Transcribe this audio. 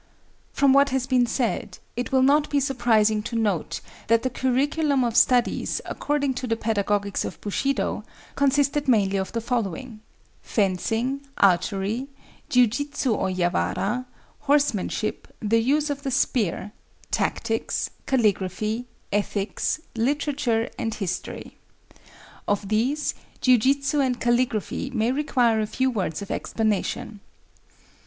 From what has been said, it will not be surprising to note that the curriculum of studies, according to the pedagogics of Bushido, consisted mainly of the following,—fencing, archery, jiujutsu or yawara, horsemanship, the use of the spear, tactics, caligraphy, ethics, literature and history. Of these, jiujutsu and caligraphy may require a few words of explanation.